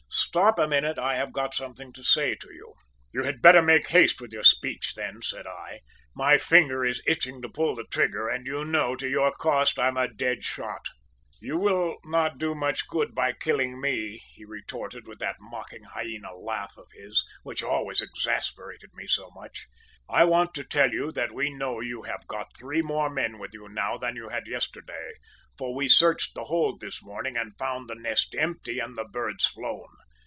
Stop a minute. I have got something to say to you.' "`You had better make haste with your speech, then,' said I. `My finger is itching to pull the trigger, and you know, to your cost, I'm a dead shot!' "`You will not do much good by killing me,' he retorted with that mocking hyena laugh of his, which always exasperated me so much. `I want to tell you that we know you have got three more men with you now than you had yesterday, for we searched the hold this morning and found the nest empty and the birds flown.